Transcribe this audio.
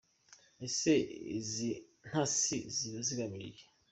Ese izi ntasi ziba zigamije iki?.